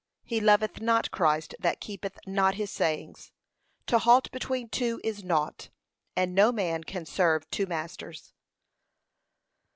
He loveth not Christ that keepeth not his sayings. To halt between two is nought, and no man can serve two masters.